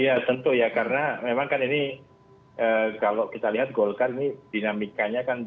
ya tentu ya karena memang kan ini kalau kita lihat golkar ini dinamikanya kan